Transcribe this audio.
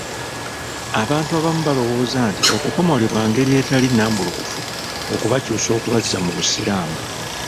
Abantu abamu balowooza nti okukomolebwa ngeri etali nnambulukufu okubakyusa okubazza mu busiraamu.